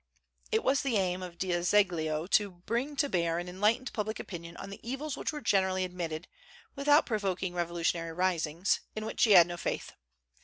It was the aim of D'Azeglio to bring to bear an enlightened public opinion on the evils which were generally admitted, without provoking revolutionary risings, in which he had no faith.